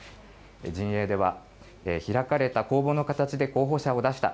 陣営には開かれれた公募の形で候補者を出した。